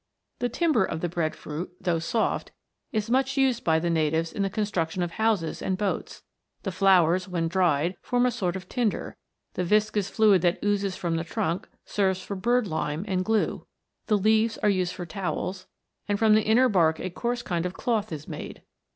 The timber of the bread fruit, though soft, is much used by the natives in the construction of houses and boats; the flowers, when dried, form a sort of tinder; the viscous fluid that oozes from the trunk serves for bird lime and glue; the leaves are used for towels; and from the inner bark a coarse kind of cloth is made.